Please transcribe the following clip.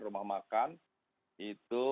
rumah makan itu